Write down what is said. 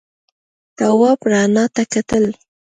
تواب رڼا ته کتل.